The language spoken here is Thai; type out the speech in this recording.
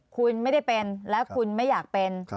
คุณไม่ได้เป็นและคุณไม่อยากเป็น